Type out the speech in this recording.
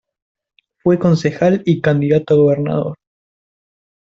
Fue concejal y candidato a gobernador.